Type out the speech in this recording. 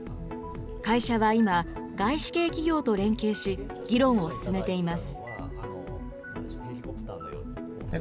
会社は今、外資系企業と連携し、議論を進めています。